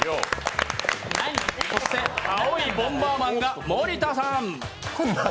そして青いボンバーマンが森田さん。